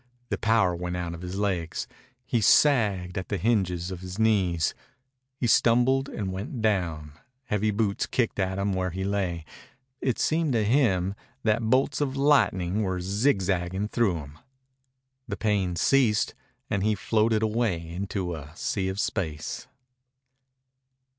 The power went out of his legs. He sagged at the hinges of his knees. He stumbled and went down. Heavy boots kicked at him where he lay. It seemed to him that bolts of lightning were zigzagging through him. The pain ceased and he floated away into a sea of space.